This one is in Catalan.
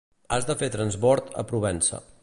Has de fer transbord a Provença.